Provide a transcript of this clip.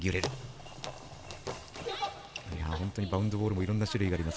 バウンドボールもいろんな種類があります。